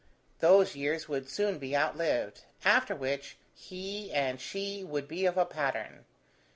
Those years would soon be outlived: after which, he and she would be of a pattern.